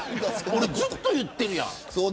俺ずっと言ってるやん。